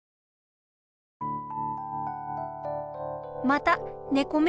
またねこ